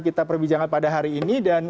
kita perbincangkan pada hari ini dan